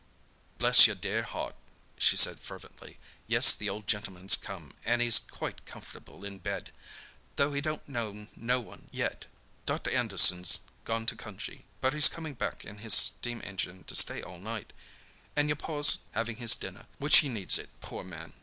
"Bless your dear heart," she said fervently. "Yes, the old gentleman's come, an' he's quite comfertable in bed—though he don't know no one yet. Dr. Anderson's gone to Cunjee, but he's coming back in his steam engine to stay all night; an' your pa's having his dinner, which he needs it, poor man.